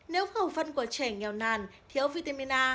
nếu khẩu phân của trẻ nghèo nàn thiếu vitamin a